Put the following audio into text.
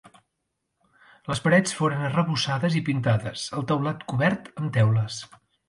Les parets foren arrebossades i pintades; el teulat cobert amb teules.